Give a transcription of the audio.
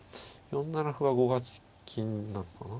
４七歩は５八金なのかな。